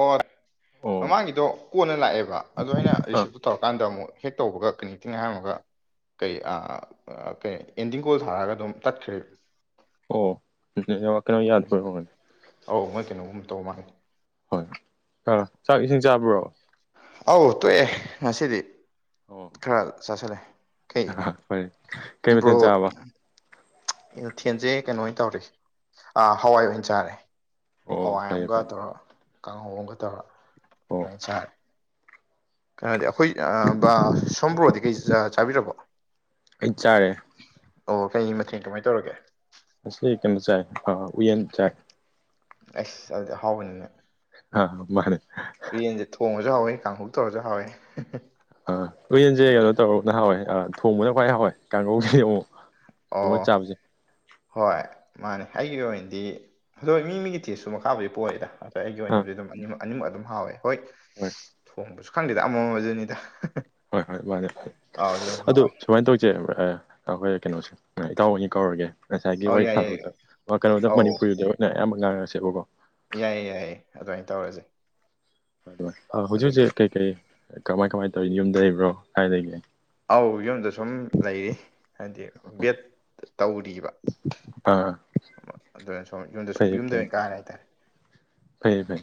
ꯑꯣꯠ ꯑꯣ ꯃꯃꯥꯡꯒꯤꯗꯣ ꯀꯣꯟꯅ ꯂꯥꯛꯑꯦꯕ ꯑꯗꯣ ꯑꯩꯅ ꯑꯥ ꯔꯤꯁꯤꯞꯇꯣ ꯇꯧꯔꯀꯥꯟꯗ ꯑꯃꯨꯛ ꯍꯦꯛ ꯇꯧꯕꯒ ꯀꯅꯦꯛꯇꯤꯡ ꯍꯥꯏꯔꯝꯃꯒ ꯀꯩ ꯑꯥ ꯑꯥ ꯀꯩ ꯑꯦꯟꯗꯤꯡ ꯀꯣꯜ ꯊꯥꯔꯒ ꯑꯗꯨꯝ ꯇꯠꯈ꯭ꯔꯦ ꯑꯣ ꯅꯦꯋꯛ ꯀꯩꯅꯣ ꯌꯥꯗꯕꯩ ꯑꯣꯏꯔꯝꯒꯅꯤ ꯑꯧ ꯃꯣꯏ ꯀꯩꯅꯣꯒꯨꯝꯕ ꯇꯧ ꯃꯥꯜꯂꯦ [unintelligible] ꯍꯣꯏ ꯍꯥ ꯆꯥꯛ ꯏꯁꯤꯡ ꯆꯥꯕ꯭ꯔꯣ? ꯑꯧ ꯇꯣꯛꯑꯦ ꯉꯁꯤꯗꯤ ꯑꯣ ꯈꯔ ꯆꯥꯁꯤꯜꯂꯦ ꯀꯩ ꯐꯔꯦ ꯀꯩ ꯕ꯭ꯔꯣ ꯃꯊꯦꯜ ꯆꯥꯕ ꯑꯩꯅ ꯊꯦꯟꯁꯦ ꯀꯩꯅꯣ ꯑꯣꯏꯅ ꯇꯧꯔꯤ ꯑꯥ ꯍꯋꯥꯏ ꯑꯣꯏꯅ ꯆꯥꯔꯦ꯫ ꯑꯣ ꯍꯋꯥꯏ ꯐꯩꯌꯦ ꯑꯝꯒ ꯐꯩ ꯇꯧꯔ ꯀꯥꯡꯍꯧ ꯑꯝꯒ ꯇꯧꯔ ꯑꯣ ꯑꯗꯨꯃꯥꯏꯅ ꯆꯥꯔꯦ ꯀꯟꯅꯗꯦ ꯑꯈꯣꯏ ꯑꯥ ꯕꯔ ꯁꯣꯝ ꯕ꯭ꯔꯣꯗꯤ ꯀꯩ ꯆꯥ ꯆꯥꯕꯤꯔꯕꯣ? ꯀꯩ ꯆꯥꯔꯦ ꯑꯣ ꯀꯩꯒꯤ ꯃꯊꯦꯟ ꯀꯃꯥꯏ ꯇꯧꯔꯒꯦ? ꯉꯁꯤ ꯀꯩꯅꯣ ꯆꯥꯏ ꯑꯥ ꯎꯌꯦꯟ ꯆꯥꯏ꯫ ꯑꯩꯁ ꯑꯗꯨ ꯑꯍꯥꯎꯕꯅꯤꯅꯦ ꯍꯥ ꯃꯥꯅꯦ꯫ ꯎꯌꯦꯟꯁꯦ ꯊꯣꯡꯑꯁꯨ ꯍꯥꯎꯋꯦ ꯀꯥꯡꯍꯧ ꯇꯧꯔꯁꯨ ꯍꯥꯎꯋꯦ ꯍꯦ ꯍꯦ ꯑꯥ ꯎꯌꯦꯟꯁꯦ ꯀꯩꯅꯣ ꯇꯧꯔꯒꯅ ꯍꯥꯎꯋꯦ ꯑꯥ ꯊꯣꯡꯕꯅ ꯈ꯭ꯋꯥꯏ ꯍꯥꯎꯋꯦ ꯀꯥꯡꯒꯧꯒꯤꯗꯤ ꯑꯃꯨꯛ ꯊꯣꯡꯉ ꯑꯣ ꯆꯥꯕꯁꯦ ꯍꯣꯏ ꯃꯟꯅꯦ ꯑꯩꯒꯤ ꯑꯣꯏꯅꯗꯤ ꯑꯗꯣꯏ ꯃꯤꯃꯤꯒꯤ ꯊꯦꯁꯁꯨ ꯃꯈꯥꯕꯨꯗꯤ ꯄꯣꯏꯂꯦꯗꯥ ꯑꯩꯒꯤ ꯑꯥ ꯑꯣꯏꯅꯕꯨꯗꯤ ꯑꯗꯨꯝ ꯑꯅꯤꯃꯛ ꯑꯅꯤꯃꯛ ꯑꯗꯨꯝ ꯍꯥꯎꯋꯦ ꯍꯣꯏꯠ ꯍꯣꯏ ꯊꯣꯡꯕꯁꯨ ꯈꯪꯗꯦꯗ ꯑꯃꯥꯃꯥ ꯗꯨꯅꯦꯗ [unintelligible] ꯍꯣꯏ ꯍꯣꯏ ꯃꯥꯅꯦ [unintelligible] ꯑꯗꯨ ꯁꯨꯃꯥꯏꯅ ꯇꯧꯆꯦ ꯈꯪꯕ꯭ꯔ ꯑꯥ ꯑꯈꯣꯏ ꯀꯩꯅꯣꯁꯦ ꯑꯥ ꯏꯇꯥꯎ ꯑꯅꯤ ꯀꯧꯔꯒꯦ ꯉꯁꯥꯏꯒꯤ ꯑꯧ ꯋꯥꯔꯤ ꯁꯟꯅꯕꯗ ꯌꯥꯏꯌꯦ ꯑꯥ ꯀꯩꯅꯣꯗ ꯑꯧ ꯃꯅꯤꯄꯨꯔꯤꯗ ꯑꯣꯏꯅꯦ ꯑꯌꯥꯝꯕ ꯉꯥꯡꯉꯁꯦꯕꯀꯣ ꯌꯥꯏꯌꯦ ꯌꯥꯏꯌꯦ ꯑꯗꯨꯃꯥꯏꯟ ꯇꯧꯔꯖꯦ ꯑꯗꯣꯏ ꯑꯥ ꯍꯧꯖꯤꯛ ꯍꯧꯖꯤꯛ ꯀꯩꯀꯩ ꯀꯃꯥꯏ ꯀꯃꯥꯏ ꯇꯧꯔꯤ ꯌꯨꯝꯗ ꯂꯩꯕ꯭ꯔꯣ ꯀꯥꯏ ꯂꯩꯒꯦ? ꯑꯧ ꯌꯨꯝꯗ ꯁꯨꯝ ꯂꯩꯔꯤ ꯍꯥꯏꯗꯤ ꯕꯤꯌꯦꯠ ꯇꯧꯔꯤꯕ ꯑꯥ ꯑꯃ ꯑꯗꯨꯅ ꯁꯨꯝ ꯌꯨꯝꯗ ꯁꯨꯝ ꯐꯩꯌꯦ ꯌꯨꯝꯗ ꯐꯩꯌꯦ ꯑꯣꯏꯅ ꯀꯥꯔꯦ ꯍꯥꯏꯇꯥꯔꯦ ꯐꯩꯌꯦ ꯐꯩ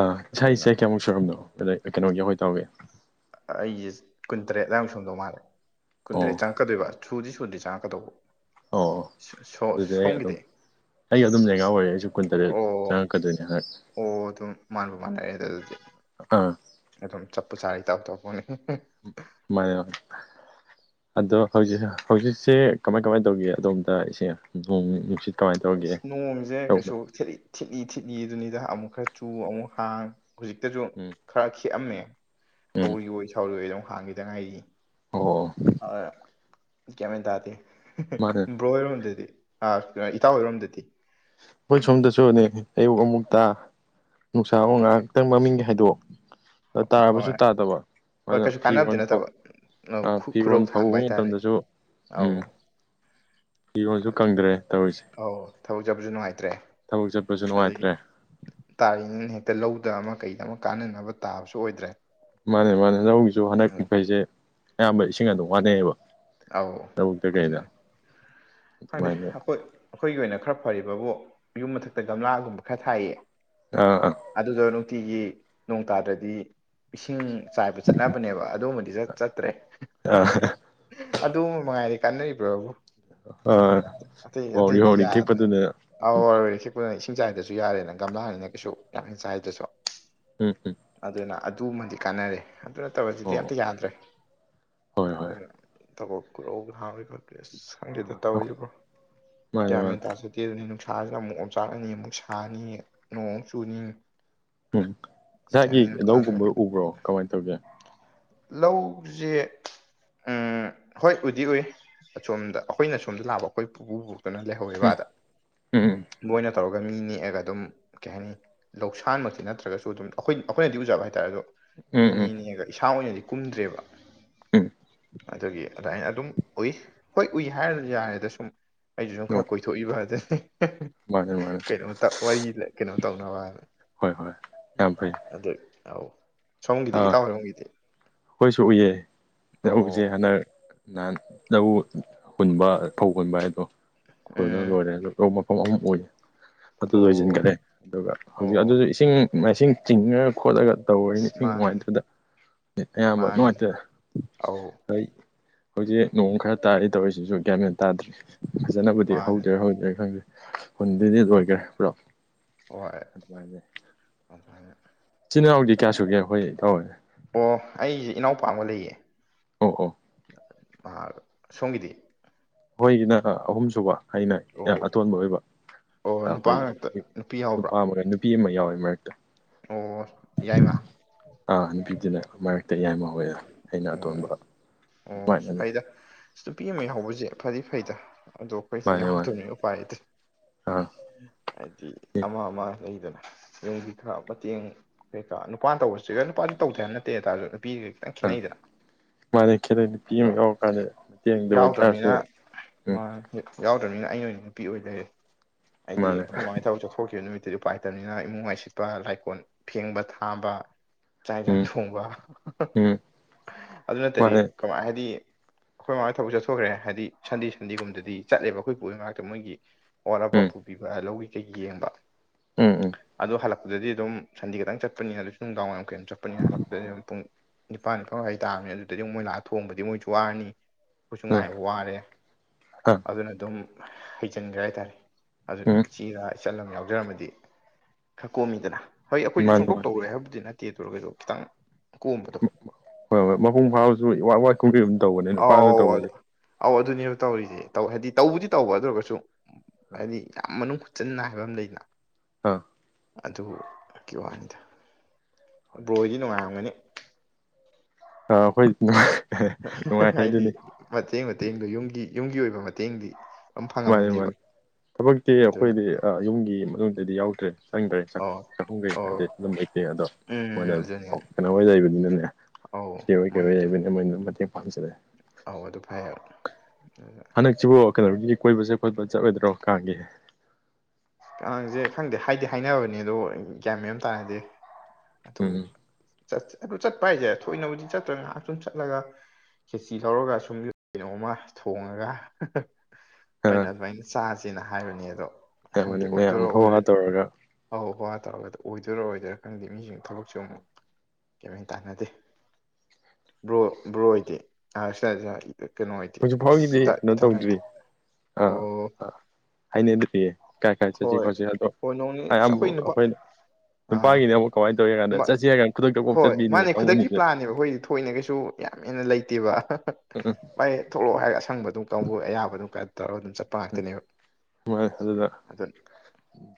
ꯑꯥ ꯏꯁꯥꯒꯤ ꯑꯗꯨꯅ ꯆꯍꯤ ꯀ꯭ꯌꯥꯃꯨꯛ ꯁꯨꯔꯝꯅꯣ ꯑꯗꯩ ꯀꯩꯅꯣꯒꯤ ꯑꯍꯣꯏ ꯏꯇꯎꯒꯤ? ꯑꯥ ꯑꯩꯁꯦ ꯀꯨꯟꯇꯔꯦꯠ ꯑꯗꯥꯏꯃꯨꯛ ꯁꯨꯔꯝꯗꯧ ꯃꯥꯜꯂꯦ ꯑꯣ ꯀꯨꯟꯇꯔꯦꯠ ꯆꯪ ꯀꯗꯣꯏꯕ ꯁꯨꯗꯤ ꯁꯨꯗ꯭ꯔꯤ ꯆꯪꯉꯛꯀꯗꯧꯕ꯫ ꯑꯣ ꯑꯗꯨꯗꯤ ꯑꯩ ꯑꯗꯨꯝ ꯁꯣꯝꯒꯤꯗꯤ ꯑꯩ ꯑꯗꯨꯝ ꯂꯦꯡꯒ ꯑꯣꯏꯔꯦ ꯑꯩꯁꯨ ꯀꯨꯟꯇꯔꯦꯠ ꯑꯣ ꯆꯪꯉꯛꯀꯗꯣꯏꯅꯦ ꯍꯠ ꯑꯣ ꯑꯗꯨꯝ ꯃꯥꯟꯕꯨ ꯃꯥꯟꯅꯔꯦ ꯑꯗꯨ ꯑꯗꯨꯗꯤ ꯑꯥ ꯑꯗꯨꯝ ꯆꯠꯄꯨ ꯆꯥꯔꯦ ꯏꯇꯥꯎ ꯇꯥꯎ [unintelligible] ꯃꯟꯅꯦ [unintelligible] ꯑꯗꯣ ꯍꯧꯖꯤꯛ ꯍꯧꯖꯤꯛꯁꯦ ꯀꯃꯥꯏ ꯀꯃꯥꯏꯟ ꯇꯧꯒꯦ ꯑꯗꯣꯝꯗ ꯏꯁꯦ ꯅꯣꯡ ꯅꯨꯡ ꯅꯨꯡꯁꯤꯠ? ꯀꯃꯥꯏꯅ ꯇꯧꯔꯤꯒꯦ ꯏꯁ ꯅꯣꯡꯁꯦ ꯇꯧꯕ ꯀꯩꯁꯨ ꯊꯦꯠꯂꯤ ꯊꯤꯠꯂꯤ ꯊꯤꯠꯂꯤ ꯑꯗꯨꯅꯤꯗ ꯑꯃꯨꯛ ꯈꯔ ꯆꯨ ꯑꯃꯨꯛ ꯍꯥꯡ ꯍꯧꯖꯤꯛꯇꯁꯨ ꯎꯝ ꯈꯔ ꯈꯤꯛꯑꯝꯃꯦ ꯎꯝ ꯄꯧꯔꯤꯋꯣꯏ ꯁꯥꯎꯔꯤꯋꯣꯏꯗ ꯑꯃꯨꯛ ꯍꯥꯡꯈꯤꯗ ꯉꯥꯏꯔꯤꯢ ꯑꯣ ꯑꯥ ꯒ꯭ꯌꯥꯟꯃꯦꯟ ꯇꯥꯗꯦ ꯃꯥꯅꯦ [unintelligible] ꯕ꯭ꯔꯣ ꯍꯣꯏ ꯔꯣꯝꯗꯗꯤ? ꯑꯥ [unintelligible] ꯏꯇꯥꯎ ꯍꯣꯏꯔꯣꯝꯗꯗꯤ? ꯑꯩꯈꯣꯏ ꯁꯣꯝꯗꯁꯨꯅꯦ ꯑꯌꯨꯛ ꯑꯃꯨꯛꯇ ꯅꯨꯡꯁꯥ ꯑꯃ ꯉꯥꯏ ꯈꯛꯇꯪ ꯃꯃꯤꯡꯒꯤ ꯍꯥꯏꯗꯣꯛꯑꯣ ꯇꯥꯔꯕꯁꯨ ꯍꯣꯏ ꯇꯥꯗꯕ ꯍꯣꯏ ꯑꯗꯨꯅ ꯀꯩꯁꯨ ꯀꯥꯟꯅꯕꯗꯤ ꯐꯤꯔꯣꯟ ꯅꯠꯇꯕ ꯑꯧ ꯈꯨ ꯐꯤꯔꯣꯜ ꯈꯨꯔꯧ ꯐꯧꯕ ꯊꯥꯡꯕ ꯍꯥꯏꯇꯥꯔꯦ ꯃꯇꯝꯗꯁꯨ ꯑꯧ ꯎꯝ ꯐꯤꯔꯣꯜꯁꯨ ꯀꯪꯗ꯭ꯔꯦ ꯇꯧꯔꯤꯁꯦ ꯑꯧ ꯊꯕꯛ ꯆꯠꯕꯁꯨ ꯅꯨꯡꯉꯥꯏꯇ꯭ꯔꯦ ꯊꯕꯛ ꯆꯠꯄꯁꯨ ꯑꯗꯒꯤ ꯅꯨꯡꯉꯥꯏꯇ꯭ꯔꯦ ꯇꯥꯔꯤꯅꯤꯅ ꯍꯦꯛꯇ ꯂꯧꯗ ꯑꯃ ꯀꯩꯗ ꯑꯃ ꯀꯥꯟꯅꯅꯕ ꯇꯥꯕꯁꯨ ꯑꯣꯏꯗ꯭ꯔꯦ ꯃꯥꯅꯦ ꯃꯥꯅꯦ ꯂꯧꯒꯤꯁꯨ ꯍꯟꯗꯛ ꯄꯤꯛꯈꯩꯁꯦ ꯑꯌꯥꯝꯕ ꯏꯁꯤꯡ ꯑꯗꯨꯝ ꯋꯥꯅꯩꯌꯦꯕ ꯑꯩ ꯑꯗꯨ ꯈꯪꯗꯦ ꯑꯗꯨꯃꯥꯏꯅ ꯑꯈꯣꯏ ꯑꯩꯈꯣꯏꯒꯤ ꯑꯣꯏꯅ ꯈꯔ ꯐꯔꯤꯕꯕꯨ ꯌꯨꯝ ꯃꯊꯛꯇ ꯒꯝꯂꯥꯒꯨꯝꯕ ꯈꯔ ꯊꯥꯏꯌꯦ ꯑꯥ ꯑꯥ ꯑꯗꯨꯗꯣ ꯅꯨꯡꯇꯤꯒꯤ ꯅꯣꯡ ꯇꯥꯗ꯭ꯔꯗꯤ ꯏꯁꯤꯡ ꯆꯥꯏꯕ ꯆꯠꯅꯕꯅꯦꯕ ꯑꯗꯨꯃꯗꯤ ꯆꯠ ꯆꯠꯇ꯭ꯔꯦ ꯑꯥ ꯑꯗꯨꯃ ꯃꯉꯥꯏꯔꯦ ꯀꯥꯟꯅꯔꯤꯕꯕꯨ ꯑ ꯋꯥꯎꯔꯤ ꯋꯥꯎꯔꯤ ꯌꯥꯗꯦ ꯈꯤꯛꯄꯗꯨꯅꯦ ꯑꯧ ꯋꯥꯎꯔꯤ ꯋꯥꯎꯔꯤ ꯈꯤꯛꯄꯅ ꯏꯁꯤꯡ ꯆꯥꯏꯗꯁꯨ ꯌꯥꯔꯦꯅ ꯒꯝꯂꯥꯅꯤꯅ ꯀꯩꯁꯨ ꯌꯥꯝ ꯍꯦꯟꯅ ꯆꯥꯏꯗ꯭ꯔꯁꯨ ꯑꯝ ꯍꯨꯝ ꯑꯗꯨꯅ ꯑꯗꯨꯃꯗꯤ ꯀꯥꯟꯅꯔꯦ ꯑꯗꯨ ꯅꯠꯇꯕꯗꯨꯗꯤ ꯑꯣ ꯑꯝꯇ ꯌꯥꯗ꯭ꯔꯦ ꯍꯣꯏ ꯍꯣꯏ ꯑꯗꯨꯅ ꯊꯕꯛ [unintelligible] ꯍꯥꯡꯉꯤꯕ ꯑꯁ ꯈꯣꯗꯦꯗ ꯑꯥ ꯇꯧꯔꯤꯁꯦ ꯕ꯭ꯔꯣ ꯃꯥꯅꯦ ꯃꯥꯅꯦ ꯀꯌꯥꯃꯦꯟ ꯇꯥꯗꯦ [unintelligible] ꯅꯨꯡꯁꯥꯁꯤꯅ ꯑꯃꯨꯛ ꯑꯣꯝꯆꯥꯛꯂꯅꯤ ꯑꯃꯨꯛ ꯁꯥꯅꯤ ꯅꯣꯡꯃꯨꯛ ꯆꯨꯅꯤ ꯎꯝ ꯒ꯭ꯌꯥꯟ ꯏꯁꯥꯒꯤ ꯃꯦꯟ ꯑꯝ ꯂꯧꯒꯨꯝꯕ ꯇꯥꯗ꯭ꯔꯦ ꯎꯕ꯭ꯔꯣ ꯀꯃꯥꯏ ꯇꯧꯒꯦ ꯂꯧꯁꯦ ꯎꯝ ꯍꯣꯏ ꯎꯗꯤ ꯎꯨꯏ ꯑꯁꯣꯝꯗ ꯑꯩꯈꯣꯏꯅ ꯁꯣꯝꯗ ꯂꯥꯛꯑꯕ ꯑꯩꯈꯣꯏ ꯄꯨꯄꯨ ꯀꯩꯅꯣ ꯂꯩꯍꯧꯋꯦꯕ ꯎꯝ ꯑꯗꯥ ꯎꯝ ꯃꯣꯏꯅ ꯇꯧꯔꯒ ꯃꯤ ꯅꯦꯛꯑꯒ ꯑꯗꯨꯝ ꯀꯩ ꯍꯥꯏꯅꯤ ꯂꯧꯁꯥꯟꯃꯛꯇꯤ ꯅꯠꯇ꯭ꯔꯒꯁꯨ ꯑꯗꯨꯝ ꯑꯩꯈꯣꯏ ꯑꯩꯈꯣꯏꯅꯗꯤ ꯎꯖꯕ ꯍꯥꯏꯇꯥꯔꯦ ꯑꯗꯣ ꯃꯤ ꯎꯝ ꯎꯝ ꯎꯝ ꯅꯦꯛꯅꯦꯛꯑꯒ ꯏꯁꯥ ꯑꯣꯏꯅꯗꯤ ꯀꯨꯝꯗ꯭ꯔꯦꯕ ꯎꯝ ꯑꯗꯨꯒꯤ ꯑꯗꯨꯃꯥꯏꯅ ꯑꯗꯨꯝ ꯎꯨꯏ ꯍꯣꯏ ꯎꯨꯏ ꯍꯥꯏꯔ ꯌꯥꯔꯦꯗ ꯁꯨꯝ ꯑꯩꯁꯨ ꯁꯝ ꯑꯣ ꯈꯔ ꯀꯣꯏꯊꯣꯛꯏꯕ ꯍꯥꯏꯗꯨꯅꯤ ꯃꯥꯅꯦ ꯃꯥꯅꯦ ꯀꯩꯅꯣ ꯋꯥꯔꯤ ꯀꯩꯅꯣ ꯇꯧꯅꯕ ꯍꯥꯏꯗꯅ ꯍꯣꯏ ꯍꯣꯏ ꯌꯥꯝ ꯐꯩ ꯑꯗꯨꯅꯤ ꯊꯧ [unintelligible] ꯑꯥ ꯑꯩꯈꯣꯏꯁꯨ ꯎꯨꯏꯌꯦ ꯑꯣ ꯂꯧꯁꯦ ꯍꯟꯗꯛ ꯅꯍꯥꯟ ꯂꯧ ꯍꯨꯟꯕ ꯐꯧ ꯍꯨꯟꯕ ꯍꯥꯏꯗꯣ ꯈꯣꯏꯗꯅ ꯎꯝ ꯂꯣꯏꯔꯦ ꯑꯗꯨ ꯂꯧ ꯃꯐꯝ ꯑꯍꯨꯝ ꯑꯣꯏ ꯑꯗꯨ ꯑꯣ ꯂꯣꯏꯁꯤꯟꯈ꯭ꯔꯦ ꯑꯗꯨꯒ ꯑꯣ ꯍꯧꯖꯤꯛ ꯑꯗꯨꯗ ꯏꯁꯤꯡ ꯃꯥꯏꯁꯤꯡ ꯆꯤꯡꯉꯒ ꯈꯣꯠꯂꯒ ꯇꯧꯔꯤꯅꯤ ꯑꯁ ꯏꯁꯤꯡ ꯃꯥꯅꯦ ꯅꯨꯡꯉꯥꯏꯇꯦꯗ ꯑꯌꯥꯝꯕ ꯃꯥꯅꯤ ꯅꯨꯡꯉꯥꯏꯇꯦ ꯑꯧ ꯍꯣꯏ ꯍꯧꯖꯤꯛ ꯅꯣꯡ ꯈꯔ ꯇꯥꯔꯤ ꯇꯧꯔꯤꯁꯤꯁꯨ ꯒ꯭ꯌꯥꯃꯦꯟ ꯇꯥꯗ꯭ꯔꯦ ꯐꯖꯅꯕꯨꯗꯤ ꯃꯥꯅꯤ ꯍꯧꯗ꯭ꯣꯏꯔ ꯍꯧꯔꯣꯏꯗ꯭ꯣꯏꯔ ꯈꯪꯗꯦ ꯍꯨꯟꯕꯗꯤ ꯂꯣꯏꯈ꯭ꯔꯦ ꯄꯨꯔꯥ ꯍꯣꯏ ꯂꯥꯛꯒꯦ [unintelligible] ꯏꯆꯤꯜ ꯏꯅꯥꯎꯗꯤ ꯀꯌꯥꯁꯨꯒꯦ ꯑꯩꯈꯣꯏ ꯏꯇꯥꯎ ꯍꯣꯏ ꯑꯣ ꯑꯩꯁꯦ ꯏꯅꯥꯎꯄꯥ ꯑꯃꯒ ꯂꯩꯌꯦ ꯑꯣ ꯑꯣ ꯃꯍꯥꯛ ꯁꯣꯝꯒꯤꯗꯤ ꯑꯈꯣꯢꯒꯤꯁꯤꯅ ꯑꯍꯨꯝꯁꯨꯨꯕ ꯑꯩꯅ ꯑꯣ ꯑꯇꯣꯟꯕ ꯑꯣꯏꯕ ꯑꯣ ꯅꯨꯄꯥ ꯉꯥꯛꯇ ꯑꯩꯈꯣꯏꯒꯤ ꯅꯨꯄꯤ ꯅꯨꯄꯥ ꯌꯥꯎꯕ꯭ꯔꯥ ꯑꯃꯒ ꯅꯨ ꯅꯨꯄꯤ ꯑꯃ ꯌꯥꯎꯋꯦ ꯃꯔꯛꯇ ꯑꯣ ꯌꯥꯏꯃꯥ ꯑꯥ ꯅꯨꯄꯤꯗꯨꯅ ꯃꯔꯛꯇ ꯌꯥꯥꯏꯃꯥ ꯑꯣꯢꯌꯦ ꯑꯣ ꯑꯣ ꯐꯩꯗ ꯅꯨꯄꯤ ꯑꯃ ꯌꯥꯎꯕꯁꯦ ꯐꯗꯤ ꯐꯩꯗ ꯑꯗꯣ ꯑꯩꯈꯣꯏꯗꯤ ꯃꯥꯅꯦ ꯃꯥꯅꯦ ꯌꯥꯎꯗꯕꯅꯤ ꯎꯄꯥꯏ ꯂꯩꯇꯔꯦ ꯑꯥ ꯍꯥꯏꯗꯤ ꯑꯃ ꯑꯃ ꯂꯩꯗꯅ ꯌꯨꯝꯒꯤ ꯈꯔ ꯃꯇꯦꯡ ꯀꯩꯀꯥ ꯅꯨꯄꯥꯅ ꯇꯧꯕꯁꯤꯒ ꯅꯨꯄꯥꯁꯨ ꯇꯧꯗꯦ ꯍꯥꯏꯕ ꯅꯠꯇꯦ ꯍꯥꯏꯇꯥꯔꯁꯨ ꯅꯨꯄꯤ ꯈꯤꯇꯪ ꯑꯥ ꯈꯦꯠꯅꯩꯗꯅ ꯃꯥꯅꯦ ꯈꯦꯠꯅꯩ ꯅꯨꯄꯤ ꯑꯗꯣ ꯑꯃ ꯌꯥꯎꯔꯀꯥꯟꯗ ꯃꯇꯦꯡꯗ ꯑꯣꯏꯇꯥꯔꯁꯨ ꯎꯝ ꯃꯥꯅꯦ ꯌꯥꯎꯗ꯭ꯔꯕꯅꯤꯅ ꯑꯩꯩꯅ ꯑꯣꯏꯅ ꯅꯨꯄꯤ ꯑꯣꯏ ꯂꯩꯔꯦ ꯍꯥꯏꯗꯤ ꯃꯥꯅꯦ ꯑꯩꯈꯣꯏ ꯃꯥꯍꯣꯏ ꯊꯕꯛ ꯆꯠꯊꯣꯛꯈꯤꯕ ꯅꯨꯃꯤꯠ ꯎꯄꯥꯏ ꯂꯩꯇꯕꯅꯤꯅ ꯏꯃꯨꯡꯋꯥꯏ ꯁꯤꯠꯄ ꯂꯥꯏꯀꯣꯟ ꯐꯦꯡꯕ ꯊꯥꯕ ꯆꯥꯛ ꯌꯦꯟꯁꯥꯡ ꯎꯝ ꯊꯣꯡꯕ ꯎꯝ ꯑꯗꯨ ꯅꯠꯇꯗꯤ ꯃꯥꯅꯦ ꯀꯃꯥꯏ ꯍꯥꯏꯗꯤ ꯑꯩꯈꯣꯏ ꯃꯥꯍꯣꯏ ꯊꯕꯛ ꯆꯠꯊꯣꯛꯈ꯭ꯔꯦ ꯍꯥꯏꯗꯤ ꯁꯟꯗꯦ ꯁꯟꯗꯦꯒꯨꯝꯗꯗꯤ ꯆꯠꯂꯦꯕ ꯑꯩꯈꯣꯏ ꯄꯨ ꯍꯣꯏ ꯃꯅꯥꯛꯇ ꯃꯣꯏꯒꯤ ꯑꯋꯥꯠ ꯑꯄꯥ ꯎꯝ ꯄꯨꯕꯤꯕ ꯂꯧꯒꯤ ꯀꯩꯒꯤ ꯌꯦꯡꯕ ꯎꯝ ꯎꯝ ꯑꯗꯣ ꯍꯜꯂꯛꯄꯗꯗꯤ ꯑꯗꯨꯝ ꯁꯟꯗꯦ ꯈꯛꯇꯪ ꯆꯠꯄꯅꯤꯅ ꯑꯗꯨ ꯅꯨꯡꯗꯥꯡ ꯋꯥꯏꯔꯝ ꯀꯩꯅꯣ ꯆꯠꯄꯅꯤꯅ ꯍꯜꯂꯛꯄꯗꯗꯤ ꯑꯗꯨꯝ ꯄꯨꯡ ꯅꯤꯄꯥꯟ ꯐꯧ ꯉꯥꯢ ꯇꯥꯕꯅꯤ ꯑꯗꯨꯗꯗꯒꯤ ꯃꯣꯏ ꯂꯥꯛ ꯊꯣꯡꯕꯁꯦ ꯃꯣꯏꯁꯨ ꯋꯥꯔꯅꯤ ꯑꯩꯈꯣꯏꯁꯨ ꯎꯝ ꯉꯥꯏꯕ ꯋꯥꯔꯦ ꯑꯥ ꯑꯗꯨꯅ ꯑꯗꯨꯝ ꯍꯩꯖꯤꯟꯈ꯭ꯔꯦ ꯍꯥꯏꯇꯥꯔꯦ ꯑꯗꯨ ꯎꯝ ꯏꯆꯦꯔ ꯏꯆꯥꯜꯂ ꯑꯃ ꯌꯥꯎꯖꯔꯝꯃꯗꯤ ꯈꯔ ꯀꯣꯝꯃꯤꯗꯅ ꯍꯣꯏ ꯑꯩꯈꯣꯏꯁꯨ ꯃꯥꯅꯤ ꯁꯨꯡꯇꯧ ꯃꯥꯅꯤ ꯇꯧꯔꯣꯏ ꯍꯥꯏꯕꯕꯨꯗꯤ ꯅꯠꯇꯦ ꯑꯗꯨ ꯑꯣꯏꯔꯒꯁꯨ ꯈꯤꯇꯪ ꯀꯣꯝꯕꯗ ꯍꯣꯏ ꯍꯣꯏ ꯃꯄꯨꯡ ꯐꯥꯕꯁꯨ ꯏꯋꯥꯠ ꯋꯥꯠ ꯀꯨꯝ ꯀꯩꯒꯨꯝ ꯇꯧꯕꯅꯦ ꯅꯨꯄꯥꯅ ꯑꯧ ꯇꯧꯕꯁꯦ ꯑꯧ ꯑꯗꯨꯅꯦꯕ ꯇꯧꯔꯤꯁꯦ ꯍꯥꯏꯗꯤ ꯇꯧꯕꯗꯤ ꯇꯧꯕ ꯑꯗꯨ ꯑꯣꯏꯔꯒꯁꯨ ꯍꯥꯏꯗꯤ ꯌꯥꯝ ꯃꯅꯨꯡ ꯍꯥꯛꯆꯤꯟꯅ ꯍꯥꯏꯕꯥꯃ ꯂꯩꯗꯅ ꯑꯥ ꯑꯗꯨꯀꯤ ꯋꯥꯅꯤꯗ ꯍꯣꯏ ꯍꯣꯏ ꯕ꯭ꯔꯣꯍꯣꯏꯗꯤ ꯅꯨꯡꯉꯥꯏꯔꯝꯒꯅꯤ ꯑꯥ ꯑꯩꯈꯣꯏꯗꯤ ꯅꯨꯡꯉꯥꯢ ꯅꯨꯡꯉꯥꯏ ꯍꯥꯏꯗꯤ ꯍꯥꯏꯗꯨꯢꯅꯤ ꯃꯇꯦꯡ ꯃꯇꯦꯡꯗꯨ ꯌꯨꯝꯒꯤ ꯌꯨꯝꯒꯤ ꯑꯣꯏꯕ ꯃꯇꯦꯡꯗꯤ ꯑꯗꯨꯝ ꯃꯥꯅꯦ ꯐꯪꯉꯝꯃꯅꯤꯕ ꯃꯥꯅꯦ ꯊꯕꯛꯇꯤ ꯑꯩꯈꯣꯏꯗꯤ ꯌꯨꯝꯒꯤ ꯃꯅꯨꯡꯗꯗꯤ ꯌꯥꯎꯗ꯭ꯔꯦ ꯆꯪꯗ꯭ꯔꯦ ꯆꯪ ꯑꯣ ꯆꯥꯛꯈꯨꯝ ꯀꯩ ꯑꯣ ꯀꯗꯤ ꯑꯗꯨꯝ ꯂꯩꯇꯦ ꯑꯗꯣ ꯎꯝ ꯃꯣꯏꯅ ꯑꯗꯨꯅꯦ ꯀꯩꯅꯣ ꯍꯣꯏ ꯂꯩꯕꯅꯤꯅꯅꯦ ꯑꯧ ꯏꯆꯦ ꯍꯣꯏ ꯀꯩ ꯃꯣꯏ ꯍꯣꯏ ꯑꯗꯨꯝ ꯂꯩꯕꯅꯤꯅ ꯃꯣꯏꯅ ꯃꯇꯦꯡ ꯄꯥꯡꯁꯤꯟꯂꯛꯑꯦ ꯑꯧ ꯑꯗꯨ ꯐꯩ ꯍꯥꯏꯕ ꯑꯗꯨꯅ ꯅꯪꯁꯤꯕꯨ ꯀꯩꯅꯣꯒꯤ ꯀꯣꯏꯕ ꯆꯠꯄꯗꯣ ꯆꯠꯂꯣꯏꯗ꯭ꯔꯣ ꯀꯥꯡꯒꯤ ꯀꯥꯡꯁꯦ ꯈꯪꯗꯦ ꯍꯥꯏꯗꯤ ꯍꯥꯏꯅꯕꯅꯦ ꯑꯗꯣ ꯒ꯭ꯌꯥꯟ ꯃꯦꯟ ꯑꯝ ꯇꯥꯗꯦ ꯑꯗꯨꯝ ꯎꯝ ꯑꯗꯨ ꯆꯠꯄ ꯍꯥꯏꯁꯦ ꯊꯣꯏꯅꯕꯨꯗꯤ ꯆꯠꯇ꯭ꯔ ꯉꯥꯏꯍꯥꯛ ꯁꯨꯝ ꯆꯠꯂꯒ ꯈꯦꯆꯤ ꯇꯧꯔꯒ ꯁꯨꯝ ꯀꯩꯅꯣꯝꯃ ꯊꯣꯡꯉꯒ ꯍꯣꯏꯅꯦ ꯑꯗꯨꯃꯥꯏꯅ ꯆꯥꯥꯁꯦꯅ ꯍꯥꯏꯕꯅꯦ ꯑꯗꯣ ꯈꯪꯗꯦ ꯑꯃꯅꯤ ꯑꯣꯏꯗꯣꯏꯔ ꯃꯌꯥꯝ ꯍꯧ ꯑꯣꯏꯔꯣꯏ ꯍꯥ ꯇꯧꯔꯒ ꯑꯧ ꯋꯥ ꯇꯧꯔꯒꯗ ꯑꯣꯏꯗꯣꯏꯔ ꯑꯣꯏꯔꯣꯏꯗꯨꯢꯔꯥ ꯈꯪꯗꯦ ꯃꯤꯁꯤꯡ ꯊꯕꯛꯁꯦ ꯑꯃꯨꯛ ꯇꯥꯟꯅꯗꯦ ꯕ꯭ꯔꯣ ꯕ꯭ꯔꯣ ꯍꯣꯏꯗꯤ [inaudible] ꯀꯩꯅꯣ ꯍꯥꯏꯗꯤ ꯍꯧꯖꯤꯛ ꯑꯁ ꯐꯥꯎꯒꯤꯗꯤ [unintelligible] ꯏ ꯀꯩꯅꯣ ꯏꯊꯪ ꯍꯥꯏꯗꯤ ꯇꯧꯗ꯭ꯔꯤ ꯑ ꯑꯣ ꯑ ꯍꯥꯏꯅꯗ꯭ꯔꯤꯌꯦ ꯀꯥꯏ ꯀꯥꯏ ꯆꯠꯁꯤ ꯍꯣꯏ ꯈꯣꯠꯁꯤ ꯑꯗꯣ ꯍꯣꯏ ꯅꯣꯡꯅꯤ ꯑꯁ ꯑꯌꯥꯝꯕ ꯑꯩꯈꯣꯏ ꯅꯨꯄꯥ ꯑꯩꯈꯣꯏꯅ ꯑꯥ ꯅꯨꯄꯥꯒꯤꯅ ꯑꯃꯨꯛ ꯀꯃꯥꯏꯅ ꯇꯧꯋꯤ ꯍꯥꯏ ꯀꯥꯟꯗ ꯆꯠꯁꯤ ꯍꯥꯏꯔꯒ ꯈꯨꯗꯛꯇ ꯀꯣꯛ ꯆꯠꯄꯤ ꯀꯥꯡꯕꯨꯅꯤꯅꯦ ꯍꯣꯏꯅꯦ ꯀꯩꯁꯨ ꯌꯥꯝ ꯍꯦꯟꯅ ꯂꯩꯇꯦꯕ ꯎꯝ ꯥꯚꯥꯢ ꯊꯣꯛꯂꯛꯑꯣ ꯍꯥꯏꯔꯒ ꯑꯁꯪꯕ ꯑꯗꯨ ꯀꯥꯡꯕꯨ ꯑꯌꯥꯕ ꯑꯗꯨ ꯈꯔ ꯇꯧꯔꯒ ꯑꯗꯨꯝ ꯆꯠꯄ ꯉꯥꯛꯇꯅꯦꯕ ꯃꯥꯅꯦ ꯑꯗꯨꯒ ꯑꯗꯥ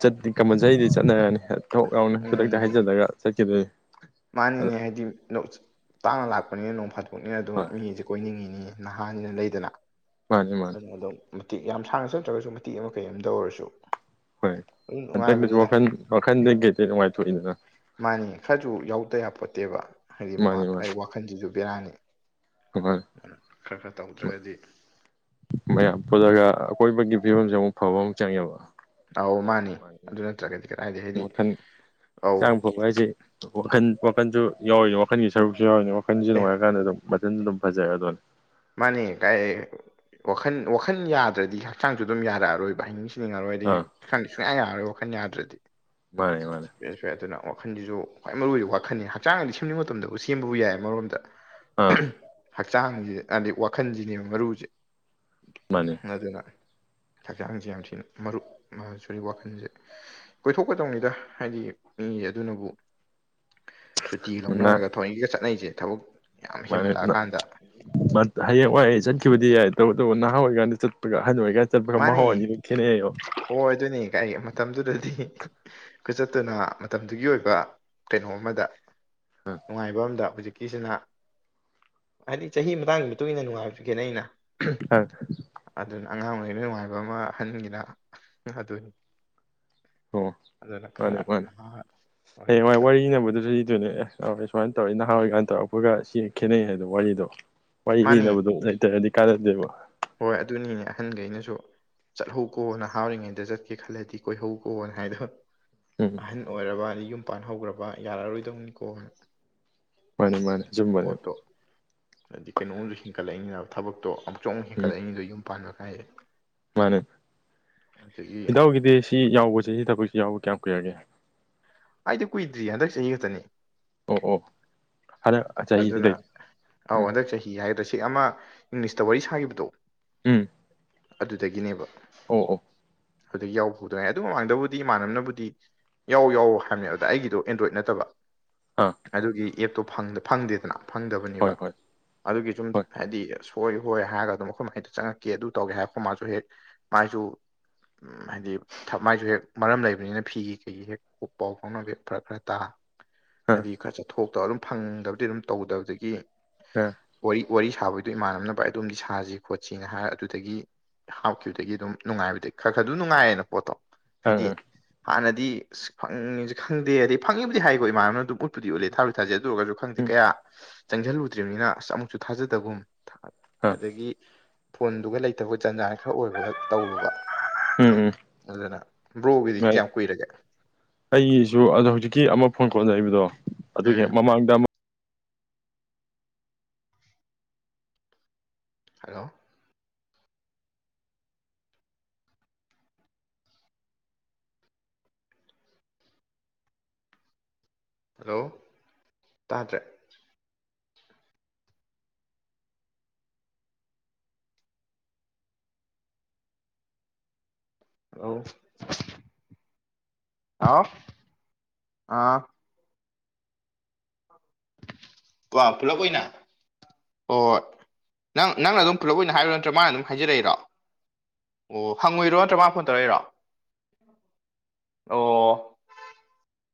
ꯆꯠꯄꯗꯤ ꯀꯥꯝꯄꯜꯁꯔꯤꯗꯤ ꯆꯠꯅꯔꯅꯤ ꯊꯕꯛ ꯌꯥꯎꯅ ꯈꯨꯗꯛꯇ ꯎꯝ ꯍꯥꯏꯖꯤꯟꯂꯛꯑꯗꯤ ꯆꯠꯈꯤꯗꯣꯏꯅꯤ ꯑꯗ ꯃꯥꯅꯤꯅꯦ ꯍꯥꯏꯗꯤ ꯇꯥꯡꯅ ꯂꯥꯛꯄꯅꯤꯅ ꯅꯣꯡ ꯐꯥꯗꯣꯛꯅꯤꯅ ꯑꯗꯨꯝ ꯍꯣꯏ ꯃꯤꯁꯦ ꯀꯣꯏꯅꯤꯡꯉꯤꯅꯤ ꯅꯍꯥꯟꯅ ꯂꯩꯗꯅ ꯃꯥꯅꯤ ꯃꯥꯅꯤ ꯑꯗꯨꯅ ꯑꯗꯨꯝ ꯃꯇꯦꯛ ꯌꯥꯝ ꯁꯥꯡꯅ ꯆꯠꯇ꯭ꯔꯒꯁꯨ ꯃꯇꯦꯛ ꯑꯃ ꯀꯩ ꯑꯃ ꯇꯥ ꯑꯣꯏꯔꯁꯨ ꯍꯣꯏ ꯑꯗꯨꯝ ꯍꯟꯗꯛꯇꯁꯨ ꯅꯨꯡꯉꯥꯏꯕꯅꯤꯗ ꯋꯥꯈꯜ ꯋꯥꯈꯟꯗ ꯀꯩꯗꯩ ꯅꯨꯡꯉꯥꯏꯊꯣꯛꯏꯗꯅ ꯃꯥꯅꯦ ꯈꯔꯁꯨ ꯌꯥꯎꯗ ꯌꯥꯄꯣꯟꯇꯦꯕ ꯃꯥꯅꯤ ꯍꯥꯏꯗꯤ ꯋꯥꯈꯟꯁꯤꯁꯨ ꯕꯦꯔꯥꯅꯤ ꯃꯥꯅꯦ ꯈꯔ ꯈꯔ ꯇꯧꯗ꯭ꯔꯒꯗꯤ ꯃꯌꯥꯝ ꯄꯨꯜꯂꯒ ꯑꯀꯣꯏꯕꯒꯤ ꯐꯤꯕꯝꯁꯦ ꯑꯃꯨꯛ ꯐꯕꯃꯨꯛ ꯆꯪꯉꯦꯕ ꯑꯧ ꯃꯥꯅꯦ ꯑꯗꯨ ꯅꯠꯇ꯭ꯔꯒꯗꯤ ꯀꯗꯥꯏꯗꯒꯤ ꯍꯥꯏꯗꯤ ꯑꯧ ꯇꯧꯕ ꯍꯥꯏꯁꯦ ꯋꯥꯈꯜ ꯋꯥꯈꯟꯁꯨ ꯌꯥꯎꯔꯤꯅꯤ ꯋꯥꯈꯜꯒꯤ ꯁꯔꯨꯛꯁꯨ ꯌꯥꯎꯔꯤꯅꯤ ꯋꯥꯈꯜꯁꯤ ꯑꯦ ꯅꯨꯡꯉꯥꯏꯔꯀꯥꯟꯗ ꯑꯗꯨꯝ ꯃꯊꯟꯗ ꯑꯗꯨꯝ ꯐꯖꯔꯛꯑꯗꯧꯅꯦ ꯃꯥꯅꯦ ꯀꯥꯏꯗꯩ ꯋꯥꯈꯜ ꯋꯥꯈꯜ ꯌꯥꯗ꯭ꯔꯗꯤ ꯍꯛꯆꯥꯡꯁꯨ ꯑꯗꯨꯝ ꯌꯥꯔꯛꯑꯔꯣꯏꯕ ꯍꯩꯅꯤꯡ ꯍꯩꯅꯤꯡꯉꯔꯣꯏ ꯍꯥꯏꯗꯤ ꯑꯥ ꯍꯛꯆꯥꯡꯗꯤ ꯁꯨꯡꯌꯥ ꯌꯥꯔꯔꯣꯏ ꯋꯥꯈꯟ ꯌꯥꯗ꯭ꯔꯗꯤ ꯃꯥꯅꯦ ꯃꯥꯅꯦ ꯑꯗꯨꯅ ꯋꯥꯈꯟꯁꯤꯁꯨ ꯈ꯭ꯋꯥꯏ ꯃꯔꯨ ꯑꯣꯏꯕ ꯋꯥꯈꯜꯅꯤ ꯍꯛꯆꯥꯡꯗꯤ ꯁꯦꯝꯅꯤꯡꯕ ꯃꯇꯝꯗꯕꯨ ꯁꯦꯝꯕꯕꯨ ꯌꯥꯏ ꯑꯃꯔꯣꯝꯗ ꯑꯥ ꯍꯛꯆꯥꯡꯁꯦ ꯍꯥꯏꯗꯤ ꯋꯥꯈꯜꯁꯤꯅꯦꯕ ꯃꯔꯨꯁꯤ ꯃꯥꯅꯦ ꯑꯗꯨꯅ ꯍꯛꯆꯥꯡꯁꯦ ꯌꯥꯝ ꯊꯤꯅ ꯃꯔꯨꯞ ꯁꯣꯔꯤ ꯋꯥꯈꯜꯁꯦ ꯀꯣꯏꯊꯣꯛꯀꯗꯧꯅꯤꯗ ꯍꯥꯏꯗꯤ ꯃꯤ ꯑꯗꯨꯅꯕꯨ ꯁꯨꯇꯤꯒ ꯂꯧꯅꯔꯒ ꯊꯥꯑꯣꯢꯒ ꯆꯠꯅꯩꯁꯦ ꯊꯕꯛ ꯌꯥꯝ ꯃꯥꯅꯦ ꯑꯗꯨꯅ ꯍꯦꯟꯃꯜꯂꯛꯑꯀꯥꯟꯗ ꯍꯌꯦꯡ ꯋꯥꯏ ꯆꯠꯈꯤꯕꯗꯤ ꯌꯥꯏ ꯇꯧꯕꯇꯕꯨ ꯅꯍꯥ ꯑꯣꯏꯀꯥꯟꯗ ꯆꯠꯄꯒ ꯑꯍꯟ ꯑꯣꯏꯀꯥꯟꯗ ꯆꯠꯄꯒ ꯃꯥꯅꯦ ꯃꯍꯥꯎ ꯑꯅꯥꯗꯨ ꯈꯦꯠꯅꯩꯑꯦꯕ ꯍꯣꯏ ꯑꯗꯨꯅꯦ ꯀꯥꯏ ꯃꯇꯝꯗꯨꯗꯗꯤ ꯈꯨꯆꯠꯇꯨꯅ ꯃꯇꯝꯗꯨꯒꯤ ꯑꯣꯏꯕ ꯀꯩꯅꯣ ꯑꯃꯗ ꯅꯨꯡꯉꯥꯏꯕ ꯑꯃꯗ ꯍꯧꯖꯤꯛꯀꯤꯁꯤꯅ ꯍꯥꯏꯗꯤ ꯆꯍꯤ ꯃꯇꯥꯡꯒꯤ ꯃꯇꯨꯡ ꯃꯇꯨꯡ ꯏꯟꯅ ꯅꯨꯡꯉꯥꯏꯕꯁꯦ ꯈꯦꯟꯅꯩꯅ ꯑꯪ ꯑꯗꯨꯅ ꯑꯉꯥꯡ ꯑꯣꯔꯤꯉꯩꯅ ꯅꯨꯡꯉꯥꯏꯕ ꯑꯃ ꯑꯍꯥꯟꯈꯤꯅ ꯑꯗꯨꯅꯤ ꯑꯣ ꯑꯗꯨꯅ ꯃꯥꯅꯤ ꯈꯔ ꯃꯥꯅꯤ ꯅꯍꯥ ꯍꯌꯦꯡ ꯋꯥꯢ ꯑꯣꯏꯔꯤꯉꯩꯁꯤꯗ ꯋꯥꯔꯤ ꯂꯤꯅꯕꯗꯁꯨ ꯂꯤꯗꯣꯏꯅꯦ ꯑꯦ ꯑꯣꯏ ꯁꯨꯃꯥꯏꯅ ꯇꯧꯔꯛꯏ ꯅꯍꯥꯟꯋꯥꯏ ꯀꯥꯏꯅ ꯇꯧꯔꯛꯄꯒ ꯁꯤ ꯈꯦꯠꯅꯩ ꯍꯥꯏꯗꯣ ꯋꯥꯔꯤꯗꯣ ꯋꯥꯔꯤ ꯃꯥꯅꯤ ꯂꯤꯅꯕꯗꯣ ꯂꯩꯇ꯭ꯔꯦꯗꯤ ꯀꯥꯟꯅꯗꯦꯕ ꯍꯣꯏ ꯑꯗꯨꯅꯤꯅꯦ ꯑꯍꯟꯈꯩꯅꯁꯨ ꯆꯠꯍꯧꯀꯣꯅ ꯅꯍꯥ ꯑꯣꯢꯔꯤꯉꯩꯗ ꯆꯠꯀꯦ ꯈꯜꯂꯗꯤ ꯀꯣꯏꯍꯧ ꯀꯣꯅ ꯍꯥꯏꯗꯣ ꯎꯝ ꯑꯍꯟ ꯑꯣꯏꯔꯕ ꯑꯗꯩ ꯌꯨꯝ ꯄꯥꯟ ꯍꯧꯈ꯭ꯔꯕ ꯌꯥꯔꯔꯣꯏꯗꯧꯅꯤꯀꯣ ꯃꯥꯅꯦ ꯃꯥꯅꯦ ꯆꯨꯝꯕꯅꯦ ꯄꯣꯠꯇꯣ ꯍꯥꯏꯗꯤ ꯀꯩꯅꯣꯝ ꯍꯦꯟꯀꯠꯂꯛꯏꯅꯤꯕ ꯊꯕꯛꯇꯣ ꯑꯃꯨꯛꯁꯨ ꯑꯃꯨꯛ ꯎꯝ ꯍꯦꯟꯀꯠꯂꯛꯏꯅꯤꯗꯣ ꯌꯨꯝ ꯄꯥꯟꯕ ꯀꯥꯏꯗꯦ ꯃꯥꯅꯦ ꯏꯇꯧꯒꯤꯗꯤ ꯁꯤ ꯌꯥꯎꯕꯁꯦ ꯁꯤ ꯊꯕꯛꯁꯤ ꯌꯥꯎꯕ ꯀꯌꯥꯝ ꯀꯨꯏꯔꯒꯦ ꯑꯩꯗꯤ ꯀꯨꯏꯗ꯭ꯔꯤ ꯍꯟꯗꯛ ꯆꯍꯤ ꯈꯛꯇꯅꯦ ꯑꯣ ꯑꯣ ꯍꯥꯟꯗꯥꯛ ꯑꯗꯨꯅ ꯑꯧ ꯍꯟꯗꯛ ꯆꯍꯤ ꯍꯥꯏꯒꯗ꯭ꯔꯥ ꯁꯤ ꯑꯃ ꯏꯪꯂꯤꯁꯇ ꯋꯥꯔꯤ ꯁꯥꯈꯤꯕꯗꯣ ꯎꯝ ꯑꯗꯨꯗꯒꯤꯅꯦꯕ ꯑꯣ ꯑꯣ ꯌꯥꯎ ꯄꯨꯗꯥꯏ ꯑꯗꯨ ꯃꯃꯥꯡꯗꯕꯨꯗꯤ ꯏꯃꯥꯟꯅꯕꯅꯕꯨꯗꯤ ꯌꯥꯎ ꯌꯥꯎ ꯍꯥꯏꯕꯅꯦꯕ ꯑꯗ ꯑꯩꯒꯤꯗꯣ ꯑꯦꯟꯗ꯭ꯔꯣꯏꯗ ꯅꯠꯇꯕ ꯑꯥ ꯑꯗꯨꯒꯤ ꯑꯦꯞꯇꯣ ꯐꯪꯗ ꯐꯪꯗꯦꯗꯅ ꯐꯪꯗꯕꯅꯦꯕ ꯍꯣꯏ ꯍꯣꯏ ꯑꯗꯨꯒꯤ ꯁꯨꯝ ꯍꯣꯏ ꯍꯥꯏꯗꯤ ꯁꯣꯏ ꯍꯣꯏ ꯍꯥꯏꯔꯒ ꯑꯗꯨꯝ ꯑꯩꯈꯣꯏ ꯃꯥꯏꯗ ꯆꯪꯉꯛꯀꯦ ꯑꯗꯨ ꯇꯧꯒꯦ ꯍꯥꯏꯔ ꯈꯣ ꯃꯥꯁꯨ ꯍꯦꯛ ꯃꯥꯥꯖꯨ ꯎꯝ ꯍꯥꯏꯗꯤ ꯊ ꯃꯥꯏꯁꯨ ꯍꯦꯛ ꯃꯔꯝ ꯂꯩꯕꯅꯤꯅ ꯐꯤꯒꯤ ꯀꯩꯒꯤ ꯍꯦꯛ ꯄꯥꯎ ꯐꯥꯎꯅꯕ ꯍꯦꯛ ꯐꯔꯛ ꯈꯔ ꯇꯥ ꯑꯥ ꯑꯗꯨꯏ ꯈꯔ ꯆꯠꯊꯣꯛꯇꯕ ꯑꯗꯨꯝ ꯐꯪꯗꯕꯗꯤ ꯑꯗꯨꯝ ꯇꯧꯗꯕꯗꯒꯤ ꯑ ꯋꯥꯔꯤ ꯋꯥꯔꯤ ꯁꯥꯕꯒꯤꯗꯣ ꯏꯃꯥꯟꯅꯕꯅ ꯚꯥꯏ ꯑꯗꯣꯝꯗꯤ ꯁꯥꯁꯤ ꯈꯣꯠꯁꯤꯅ ꯍꯥꯏꯔ ꯑꯗꯨꯗꯒꯤ ꯍꯥꯞꯈꯤꯕꯗꯒꯤ ꯑꯗꯨꯝ ꯅꯨꯡꯉꯥꯏꯕꯗ ꯈꯔ ꯈꯔ ꯗꯨꯝ ꯅꯨꯡꯉꯥꯏꯌꯦꯅ ꯄꯣꯠꯇꯣ꯫ ꯑꯥ ꯍꯥꯏꯗꯤ ꯑꯥ ꯍꯥꯟꯅꯗꯤ ꯑꯁ ꯐꯪꯉꯤꯖꯨ ꯈꯪꯗꯦ ꯍꯥꯏꯗꯤ ꯐꯪꯉꯤꯕꯨꯗꯤ ꯍꯥꯏꯀꯣ ꯏꯃꯥꯟꯅꯕꯅ ꯑꯗꯨꯝ ꯎꯠꯄꯨꯗꯤ ꯎꯠꯂꯦ ꯊꯥ ꯊꯥꯖꯩ ꯑꯗꯨ ꯑꯣꯏꯔꯒꯁꯨ ꯈꯪꯗꯦ ꯎꯝ ꯀꯌꯥ ꯆꯪꯖꯜꯂꯨꯗ꯭ꯔꯤꯕꯅꯤꯅ ꯑꯁ ꯑꯃꯨꯛꯁꯨ ꯊꯥꯖꯗꯕꯒꯨꯝ ꯑꯥ ꯑꯗꯒꯤ ꯐꯣꯟꯗꯨꯒ ꯂꯩꯇꯕꯒ ꯖꯟꯖꯥꯟ ꯈꯔ ꯑꯣꯏꯕꯒ ꯇꯧꯔꯨꯕ ꯎꯝ ꯎꯝ ꯑꯗꯨꯅ ꯕ꯭ꯔꯣꯒꯤꯗꯤ ꯌꯥꯏ ꯀꯌꯥꯝ ꯀꯨꯏꯔꯒꯦ? ꯑꯩꯒꯤꯁꯨ ꯑꯗꯣ ꯍꯧꯖꯤꯛꯀꯤ ꯑꯃ ꯐꯣꯟ ꯀꯣꯜ ꯂꯩꯕꯗꯣ ꯑꯗꯨꯒꯤ ꯍꯦꯛ ꯎꯝ ꯃꯃꯥꯡꯗ ꯑꯃ ꯍꯂꯣ ꯍꯜꯂꯣ ꯇꯥꯗ꯭ꯔꯦ ꯍꯂꯣ ꯍꯥꯎ ꯑꯥ ꯄꯨꯂꯞ ꯑꯣꯏꯅ ꯍꯣ ꯍꯣꯏ ꯅꯪ ꯅꯪꯅ ꯑꯗꯨꯝ ꯄꯨꯂꯞ ꯑꯣꯏꯅ ꯍꯥꯏꯔꯣ ꯅꯠꯇ꯭ꯔ ꯃꯥꯅ ꯑꯗꯨꯝ ꯍꯥꯏꯖꯔꯛꯏꯔꯣ? ꯑꯣ ꯍꯪꯉꯨꯏꯔꯣ ꯅꯠꯇ꯭ꯔ ꯃꯥ ꯐꯣꯟ ꯇꯧꯔꯛꯏꯔꯣ ꯑꯣ